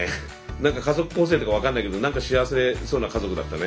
何か家族構成とか分かんないけど何か幸せそうな家族だったね。